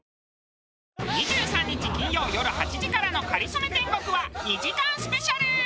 ２３日金曜よる８時からの『かりそめ天国』は２時間スペシャル！